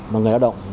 mà người lao động